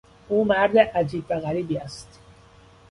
او مرد عجیب و غریبی است.